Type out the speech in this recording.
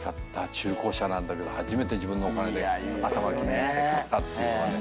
中古車なんだけど初めて自分のお金で頭金にして買ったっていうのがね。